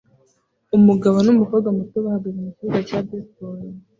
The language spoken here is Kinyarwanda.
Umugabo numukobwa muto bahagaze mukibuga cya baseball